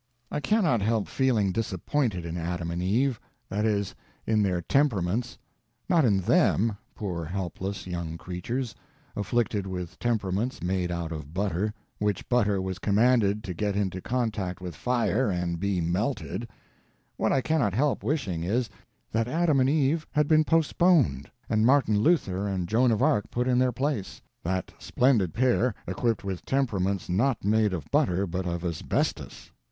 I cannot help feeling disappointed in Adam and Eve. That is, in their temperaments. Not in them, poor helpless young creatures—afflicted with temperaments made out of butter; which butter was commanded to get into contact with fire and be melted. What I cannot help wishing is, that Adam and EVE had been postponed, and Martin Luther and Joan of Arc put in their place—that splendid pair equipped with temperaments not made of butter, but of asbestos.